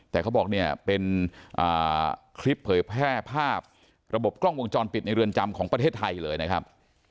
แต่เขาบอกเนี่ยเป็นคลิปเผยแพร่ภาพระบบกล้องวงจรปิดในเรือนจำของประเทศไทยเลยนะครับ